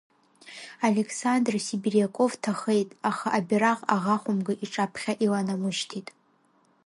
Александр Сибириаков ҭахеит, аха абираҟ аӷа хәымга иҿаԥхьа иланамышьҭит…